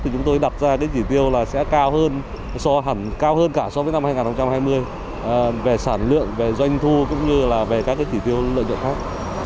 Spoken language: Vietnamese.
chúng ta sẽ cao hơn cao hơn cả so với năm hai nghìn hai mươi về sản lượng về doanh thu cũng như là về các tỷ tiêu lợi nhuận khác